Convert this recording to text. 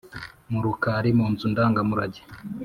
Murukari munzu ndanga murage